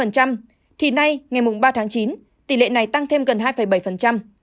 thì nay ngày ba tháng chín tỷ lệ này tăng thêm gần hai bảy